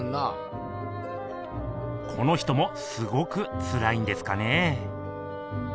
この人もすごくつらいんですかね。